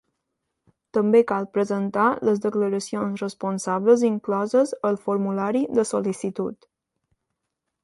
També cal presentar les declaracions responsables incloses al formulari de sol·licitud.